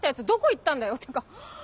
どこ行ったんだよっていうか